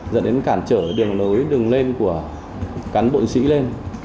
bản trở đường nối đường lên của cán bộ sĩ lên